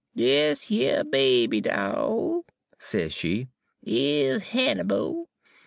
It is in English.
"'Dis yer baby doll,' sez she, 'is Hannibal.